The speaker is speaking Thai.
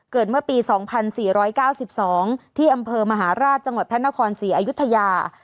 เกิดเมื่อปีสองพันสี่ร้อยเก้าสิบสองที่อำเภอมหาราชจังหวัดพระนครสี่อายุทยา